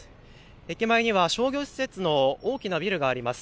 駅前には商業施設の大きなビルがあります。